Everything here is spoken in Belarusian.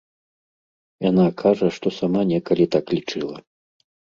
Яна кажа, што сама некалі так лічыла.